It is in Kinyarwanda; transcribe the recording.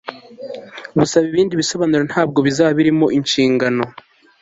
Gusaba ibindi bisobanuro ntabwo bizaba birimo inshingano